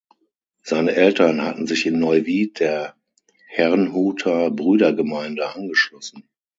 Seine Eltern hatten sich in Neuwied der Herrnhuter Brüdergemeine angeschlossen.